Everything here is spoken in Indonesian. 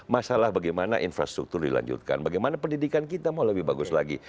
masalah bagaimana infrastruktur dilanjutkan bagaimana pendidikan kita mau lebih bagus lagi